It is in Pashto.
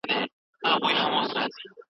طالبه خلاص كه دا د نجونو مكتبونه